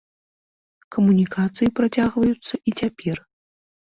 Камунікацыі працягваюцца і цяпер.